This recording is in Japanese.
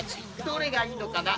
どれがいいのかな？